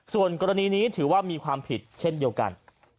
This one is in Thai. ส่วนกรณีนี้ถือว่ามีความผิดเช่นเดียวกัน